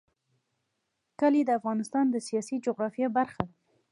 کلي د افغانستان د سیاسي جغرافیه برخه ده.